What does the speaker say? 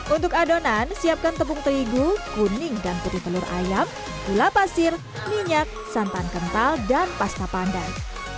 untuk adonan siapkan tepung terigu kuning dan putih telur ayam gula pasir minyak santan kental dan pasta pandai